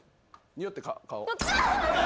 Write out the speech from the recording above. におって顔。